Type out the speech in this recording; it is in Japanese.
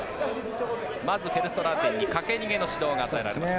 まずはフェルストラーテンにかけ逃げの指導が与えられました。